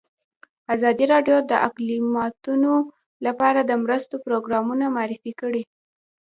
ازادي راډیو د اقلیتونه لپاره د مرستو پروګرامونه معرفي کړي.